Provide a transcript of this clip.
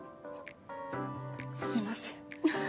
すいません。